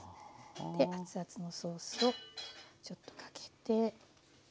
で熱々のソースをちょっとかけて。